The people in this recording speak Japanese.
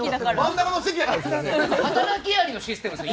働きアリのシステムですね。